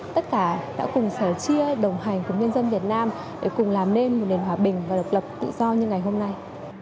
tất cả đã cùng sẻ chia đồng hành cùng nhân dân việt nam để cùng làm nên một nền hòa bình và độc lập tự do như ngày hôm nay